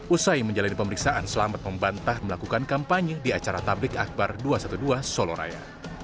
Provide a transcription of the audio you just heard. usai menjalani pemeriksaan selamat membantah melakukan kampanye di acara tablik akbar dua ratus dua belas soloraya